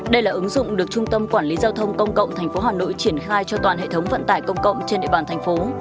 đây là ứng dụng được trung tâm quản lý giao thông công cộng tp hà nội triển khai cho toàn hệ thống vận tải công cộng trên địa bàn thành phố